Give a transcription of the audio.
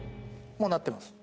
もうなってます。